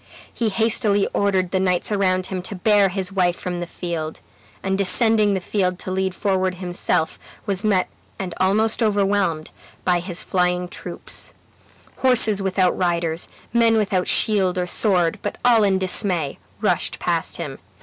He hastily ordered the knights around him to bear his wife from the field; and descending the field to lead forward himself, was met and almost overwhelmed by his flying troops; horses without riders, men without shield or sword, but all in dismay, rushed past him.